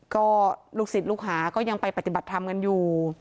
ก็ลูกศิษย์ลูกหาก็ยังไปปฏิบัติธรรมกันอยู่